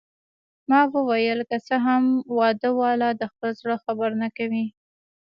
ما وویل: که څه هم واده والا د خپل زړه خبره نه کوي.